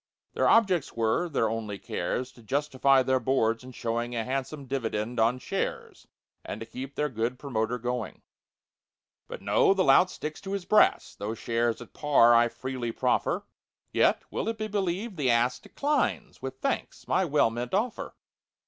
Their objects were—their only cares— To justify their Boards in showing A handsome dividend on shares And keep their good promoter going. But no—the lout sticks to his brass, Though shares at par I freely proffer: Yet—will it be believed?—the ass Declines, with thanks, my well meant offer!